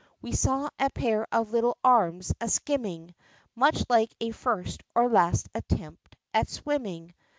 We saw a pair of little arms a skimming, Much like a first or last attempt at swimming!